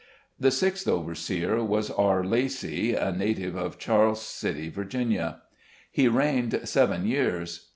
The sixth overseer was R. Lacy, a native of Charles City, Va. He reigned seven years.